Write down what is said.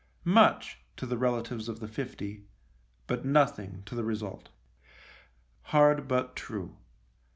Much to the relatives of the fifty, but nothing to the result. Hard, but true.